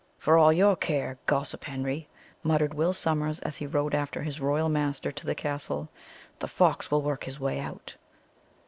"For all your care, gossip Henry," muttered Will Sommers, as he rode after his royal master to the castle, "the fox will work his way out."